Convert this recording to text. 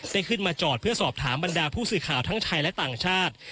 ขึ้นมาจอดเพื่อสอบถามบรรดาผู้สื่อข่าวทั้งชายและต่างชาติ